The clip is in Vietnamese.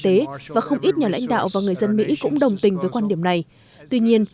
tế và không ít nhà lãnh đạo và người dân mỹ cũng đồng tình với quan điểm này tuy nhiên